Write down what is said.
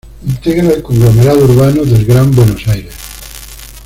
Integra el conglomerado urbano del Gran Buenos Aires.